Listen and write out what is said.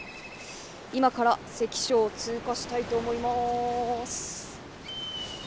今から関所を通過したいと思います。